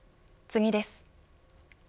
次です。